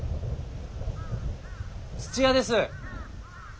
土屋です。